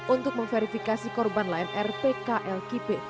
untuk memverifikasi korban lain rpklkp